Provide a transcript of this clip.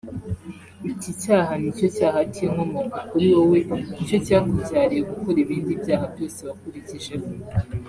Iki cyaha nicyo cyaha k’inkomoko kuri wowe nicyo cyakubyariye gukora ibindi byaha byose wakurikijeho